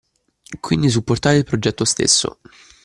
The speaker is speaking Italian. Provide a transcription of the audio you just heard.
Quindi supportare il progetto stesso.